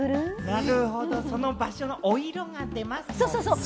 なるほど、場所のお色が出ますよね。